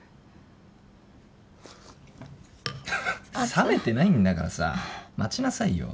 冷めてないんだからさ待ちなさいよ。